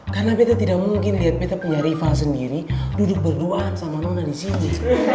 karena beta tidak mungkin liat beta punya rival sendiri duduk berduaan sama nona di sini